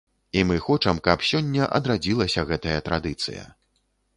І мы хочам, каб сёння адрадзілася гэтая традыцыя.